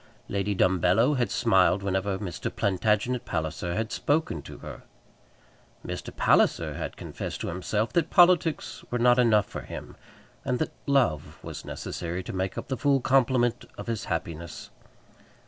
Lady Dumbello had smiled whenever Mr. Plantagenet Palliser had spoken to her. Mr. Palliser had confessed to himself that politics were not enough for him, and that Love was necessary to make up the full complement of his happiness.